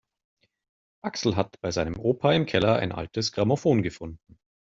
Axel hat bei seinem Opa im Keller ein altes Grammophon gefunden.